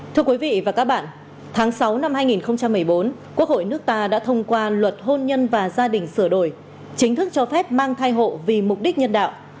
thưa quý vị và các bạn tháng sáu năm hai nghìn một mươi bốn quốc hội nước ta đã thông qua luật hôn nhân và gia đình sửa đổi chính thức cho phép mang thai hộ vì mục đích nhân đạo